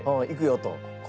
「いくよ」と？